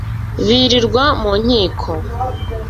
birirwa mu nkiko